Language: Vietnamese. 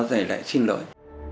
rồi lại xin lỗi